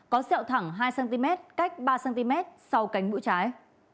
có sẹo thẳng hai cm cách ba cm sau cánh mũi trái